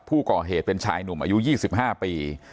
ผู้ก่อเหตุเป็นชายหนุ่มอายุ๒๕ปี